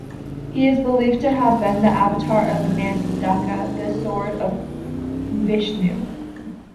He is believed to have been the avatar of Nandaka, the sword of Vishnu.